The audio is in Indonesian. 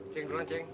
ceng perlahan ceng